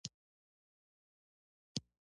زړې ګنډوالې!